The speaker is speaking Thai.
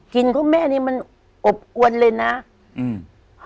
กลิ่นของแม่นี่มันอบอวนเลยนะอืม